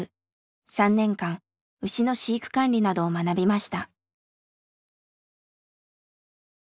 ３年間牛の飼育管理などを学びました。